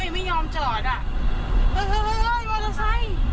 ไม่ยอมจอดอะ